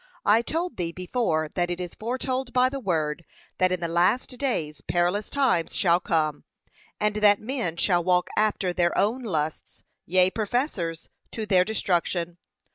I told thee before that it is foretold by the Word, that in the last days perilous times shall come, and that men shall walk after their own lusts; yea, professors, to their destruction.